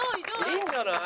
いいんじゃない？